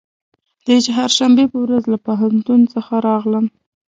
د چهارشنبې په ورځ له پوهنتون څخه راغلم.